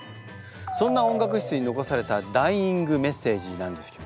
そんな音楽室に残されたダイイングメッセージなんですけどね。